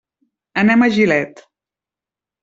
Anem a Gilet.